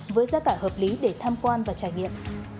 với giá cả hợp lý để tham quan và trải nghiệm